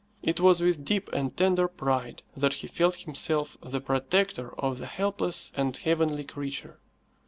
It was with deep and tender pride that he felt himself the protector of the helpless and heavenly creature.